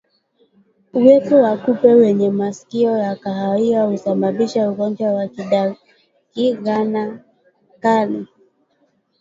Uwepo wa kupe wenye masikio ya kahawia husababisha ugonjwa wa ndigana kali